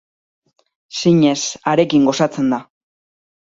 Zinez, harekin gozatzen da!